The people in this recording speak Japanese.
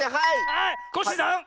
はいコッシーさん！